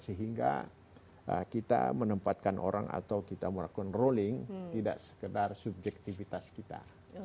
sehingga kita menempatkan orang atau kita melakukan rolling tidak sekedar subjektivitas kita